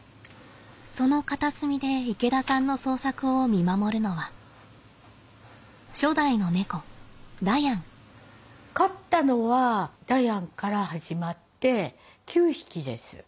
その片隅で池田さんの創作を見守るのは飼ったのはダヤンから始まって９匹です。